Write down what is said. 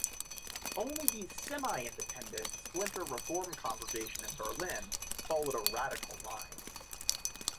Only the semi-independent, splinter Reform Congregation in Berlin followed a radical line.